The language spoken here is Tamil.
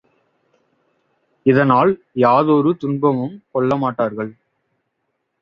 இதனால் யாதொரு துன்பமும் கொள்ளமாட்டார்கள்.